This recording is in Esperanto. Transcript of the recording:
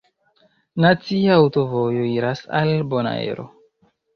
Nacia aŭtovojo iras al Bonaero.